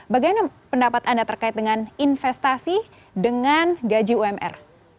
bagaimana pendapat anda terkait dengan investasi dengan gaji umr